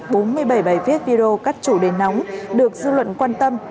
bốn mươi bảy bài viết video các chủ đề nóng được dư luận quan tâm